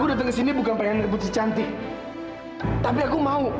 udah aku pergi sama mesin kampak